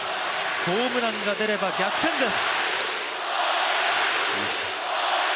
ホームランが出れば逆転です。